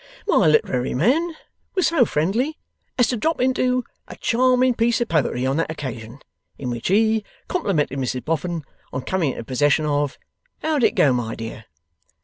My literary man was so friendly as to drop into a charming piece of poetry on that occasion, in which he complimented Mrs Boffin on coming into possession of how did it go, my dear?